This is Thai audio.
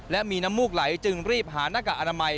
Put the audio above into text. และมีน้ำมูกไหลจึงรีบหาหน้ากากอนามัย